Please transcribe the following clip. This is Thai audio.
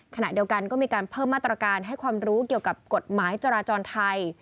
ขณะเดียวกันก็มีการเพิ่มมาตรการให้ความรู้เกี่ยวกับกฎหมายจราจรไทย